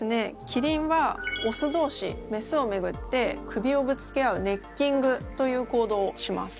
キリンはオス同士メスをめぐって首をぶつけ合うネッキングという行動をします。